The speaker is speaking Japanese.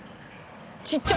ちっちゃ！